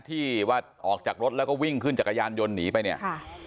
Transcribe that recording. ที่ว่าออกจากรถแล้วก็วิ่งขึ้นจักรยานยนต์หนีไปเนี่ยค่ะ